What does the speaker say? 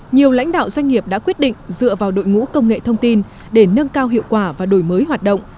nhiều lãnh đạo doanh nghiệp đã quyết định dựa vào đội ngũ công nghệ thông tin để nâng cao hiệu quả và đổi mới hoạt động